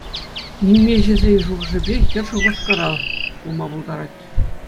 Нимеҫӗсен шухӑшӗпе, хӗр Шупашкара пулма пултарать.